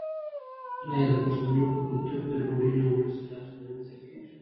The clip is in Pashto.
آیا د پښتنو په کلتور کې د ډوډۍ نه وروسته لاسونه نه مینځل کیږي؟